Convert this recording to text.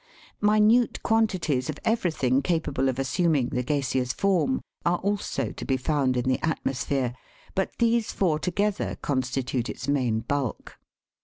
Minute quantities of everything capable of assuming the gaseous form are also to be found in the atmosphere, but these four together constitute its main bulk.